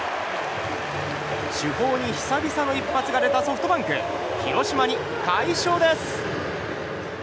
主砲に久々の一発が出たソフトバンク広島に快勝です！